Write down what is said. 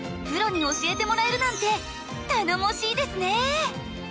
プロに教えてもらえるなんて頼もしいですね。